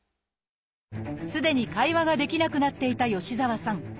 すでに会話ができなくなっていた吉澤さん。